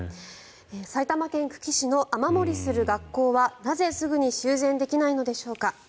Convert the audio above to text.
埼玉県久喜市の雨漏りする学校はなぜすぐに修繕できないのでしょうか。